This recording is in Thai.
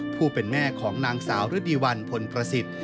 ผู้เป็นแม่ของนางสาวฤดีวันพลประสิทธิ์